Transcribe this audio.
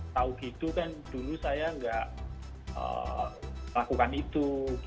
tahu gitu kan dulu saya nggak melakukan itu